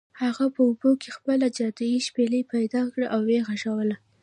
هغه په اوبو کې خپله جادويي شپیلۍ پیدا کړه او و یې غږوله.